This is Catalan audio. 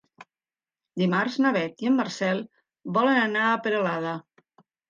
Dimarts na Beth i en Marcel volen anar a Peralada.